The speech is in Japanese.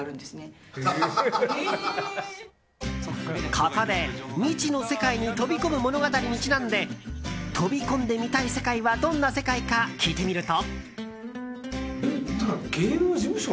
ここで未知の世界に飛び込む物語にちなんで飛び込んでみたい世界はどんな世界か聞いてみると。